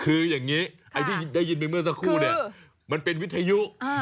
คืออย่างนี้ไอ้ที่ได้ยินไปเมื่อสักครู่เนี่ยมันเป็นวิทยุ